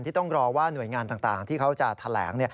ต้องรอว่าหน่วยงานต่างที่เขาจะแถลง